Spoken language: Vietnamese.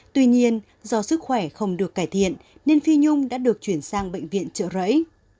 tuy nhiên do sức khỏe không được cải thiện nên phi nhung đã được chuyển sang bệnh viện trợ rẫy